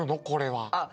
これは。